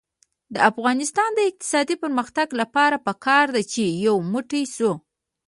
د افغانستان د اقتصادي پرمختګ لپاره پکار ده چې یو موټی شو.